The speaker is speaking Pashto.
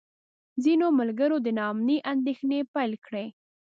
ځینو ملګرو د نا امنۍ اندېښنې پیل کړې.